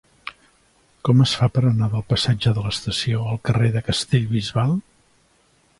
Com es fa per anar del passatge de l'Estació al carrer de Castellbisbal?